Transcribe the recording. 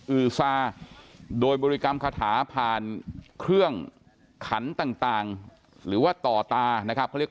ือซาโดยบริกรรมคาถาผ่านเครื่องขันต่างหรือว่าต่อตานะครับเขาเรียก